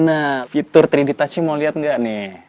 nah fitur tiga d touch ini mau lihat gak nih